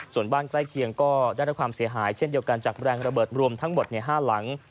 ส่วนบ้านใกล้เคียงก็ได้รับความเสียหายเช่นเดียวกันจากแรงระเบิดรวมทั้งหมด๕หลัง